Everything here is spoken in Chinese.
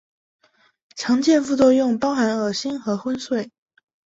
常见副作用包含恶心和昏睡。